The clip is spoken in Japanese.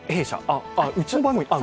うちの番組？